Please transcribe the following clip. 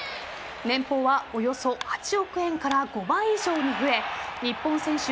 年俸はおよそ８億円から５倍以上に増え日本選手